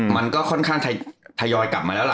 มันก็ค่อนข้างทยอยกลับมาแล้วล่ะ